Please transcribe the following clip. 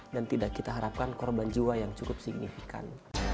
dan tidak kita harapkan korban jua yang cukup signifikan